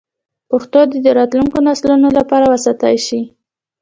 پښتو دې د راتلونکو نسلونو لپاره وساتل شي.